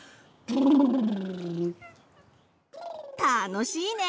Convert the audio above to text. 楽しいね！